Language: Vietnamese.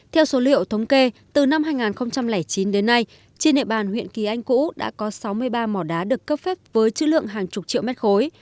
theo số liệu thống kê từ năm hai nghìn chín đến nay trên địa bàn huyện kỳ anh cũ đã có sáu mươi ba mỏ đá được cấp phép với chữ lượng hàng chục triệu mét khối